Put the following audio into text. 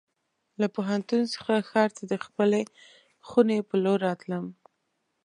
له پوهنتون څخه ښار ته د خپلې خونې په لور راتلم.